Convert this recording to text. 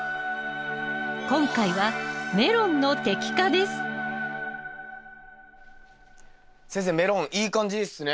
今回は先生メロンいい感じっすね。